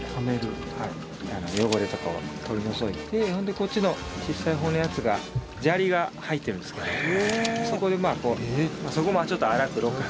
汚れとかを取り除いてほんでこっちの小さい方のやつが砂利が入ってるんですけどそこでこうそこもちょっと荒くろ過して。